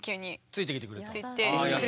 ついてきてくれたんだ。